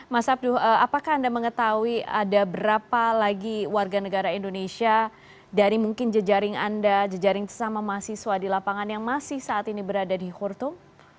mas abdu apakah anda mengetahui ada berapa lagi warga negara indonesia dari mungkin jejaring anda jejaring sesama mahasiswa di lapangan yang masih saat ini berada di khurtum